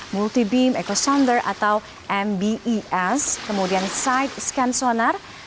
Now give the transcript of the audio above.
multi beam echo sounder atau mbes kemudian side scan sonar